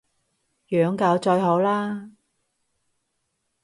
養狗最好喇